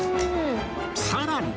さらに